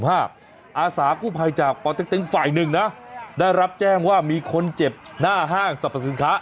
อาสากู้ภัยจากปเต็กตึงฝ่ายหนึ่งนะได้รับแจ้งว่ามีคนเจ็บหน้าห้างสรรพสินค้า